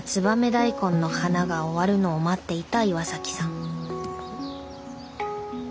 大根の花が終わるのを待っていた岩さん。